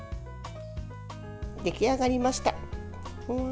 出来上がりました。